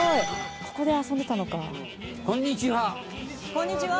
こんにちは。